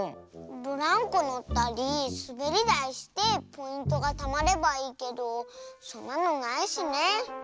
ブランコのったりすべりだいしてポイントがたまればいいけどそんなのないしね。